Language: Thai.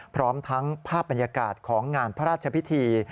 พร้อมทั้งภาพบรรยากาศของงานพระราชพิธี